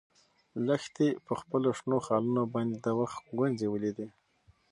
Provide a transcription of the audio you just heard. لښتې په خپلو شنو خالونو باندې د وخت ګونځې ولیدې.